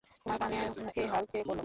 তোমার কানের এ হাল কে করলো?